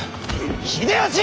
秀吉！